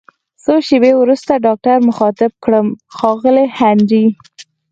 څو شیبې وروسته ډاکټر مخاطب کړم: ښاغلی هنري!